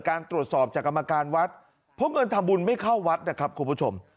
การตรวจสอบจากกรรมการวัดเพราะเงินทำบุญไม่เข้าวัดนะครับคุณผู้ชม